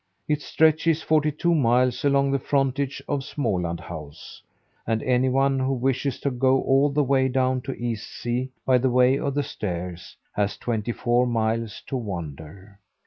It stretches forty two miles along the frontage of Småland house, and anyone who wishes to go all the way down to the East sea, by way of the stairs, has twenty four miles to wander.